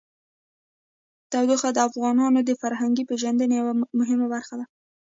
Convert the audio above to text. تودوخه د افغانانو د فرهنګي پیژندنې یوه مهمه برخه ده.